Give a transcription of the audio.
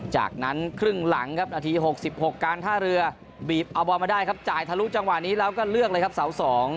จากนั้นครึ่งหลังครับนาที๖๖การท่าเรือบีบเอาบอลมาได้ครับจ่ายทะลุจังหวะนี้แล้วก็เลือกเลยครับเสา๒